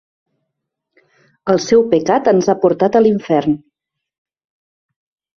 El seu pecat ens ha portat a l'infern.